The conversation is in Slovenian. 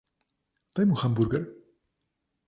Daj mu hamburger.